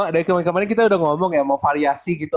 dari kemarin kemarin kita udah ngomong ya mau variasi gitu